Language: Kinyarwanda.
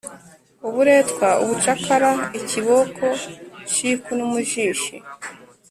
uburetwa, ubucakara, ikiboko, shiku n'umujiishi